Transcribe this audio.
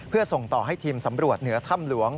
เพื่อส่งต่อให้ทีมสำรวจเหนือถ้ำหลวง